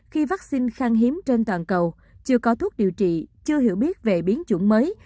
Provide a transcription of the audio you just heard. khi vaccine khang hiếm trên toàn cầu chưa có thuốc điều trị chưa hiểu biết về biến chủng mới